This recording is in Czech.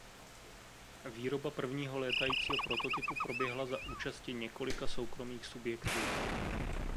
Výroba prvního létajícího prototypu proběhla za účasti několika soukromých subjektů.